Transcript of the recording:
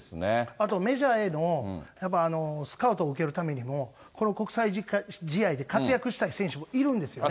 あとメジャーへのスカウト受けるためにも、この国際試合で活躍したい選手もいるんですよね。